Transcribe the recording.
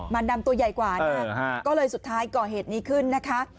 มันดำตัวใหญ่กว่านะก็เลยสุดท้ายก่อเหตุนี้ขึ้นนะคะ